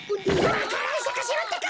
わか蘭さかせろってか！